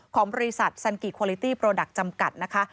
ของบริษัทซันกิโคลิตี้โปรดักต์จำกัดนะคะ